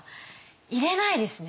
いれないですね